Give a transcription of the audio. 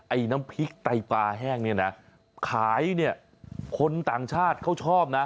ไอ้น้ำพริกไต้ปลาแห้งขายคนต่างชาติเขาชอบนะ